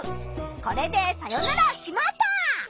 これでさよなら「しまった！」。